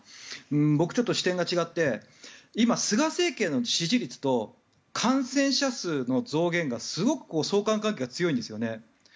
僕、ちょっと視点が違って今、菅政権の支持率と感染者数の増減がすごく相関関係が強いんですよね。